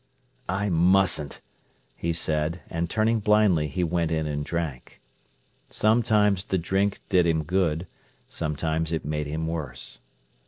"I mustn't," he said; and, turning blindly, he went in and drank. Sometimes the drink did him good; sometimes it made him worse.